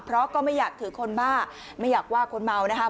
เพราะก็ไม่อยากถือคนบ้าไม่อยากว่าคนเมานะคะ